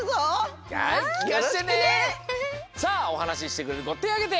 さあおはなししてくれるこてをあげて！